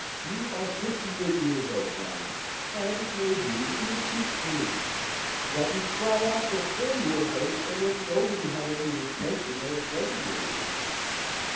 You are fifty eight years old, madam, and it may be that you are too squeamish, that you cry out before you are hurt, and when nobody had any intention of offending your ladyship.